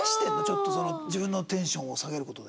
ちょっとその自分のテンションを下げる事で。